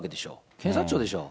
検察庁でしょ？